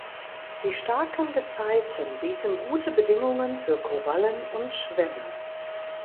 Die starken Gezeiten bieten gute Bedingungen für Korallen und Schwämme.